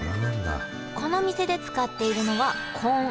この店で使っているのはうん。